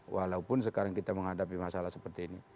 walaupun sekarang kita menghadapi masalah seperti ini